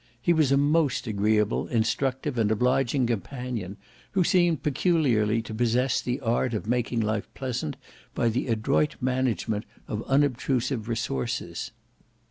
He was a most agreeable, instructive, and obliging companion; who seemed peculiarly to possess the art of making life pleasant by the adroit management of unobtrusive resources.